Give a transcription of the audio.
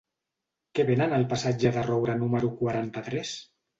Què venen al passatge de Roura número quaranta-tres?